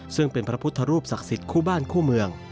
ซึ่งเป็นพระพุทธรูปศักดิ์สิทธิ์คู่บ้านคู่เมือง